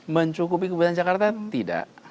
mencukupi kebutuhan jakarta tidak